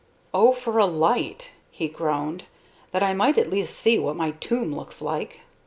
"Oh, for a light!" he groaned, "that I might at least see what my tomb looks like!"